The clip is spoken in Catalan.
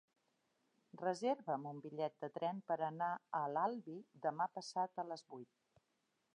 Reserva'm un bitllet de tren per anar a l'Albi demà passat a les vuit.